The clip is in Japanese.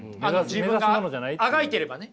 自分があがいてればね。